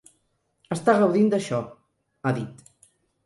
Està gaudint d’això, ha dit.